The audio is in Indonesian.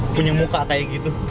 punya muka kayak gitu